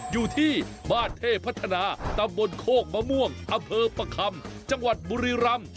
อยู่ที่บ้านเทพพัฒนาตำบลโคกมะม่วงอำเภอประคำจังหวัดบุรีรำ